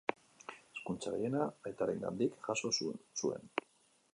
Hezkuntza gehiena aitarengandik jaso zuen.